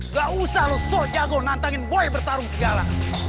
gak usah lo so jago nantangin boy bertarung segala